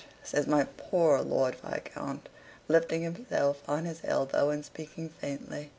says my poor Lord Viscount, lifting himself on his elbow and speaking faintly.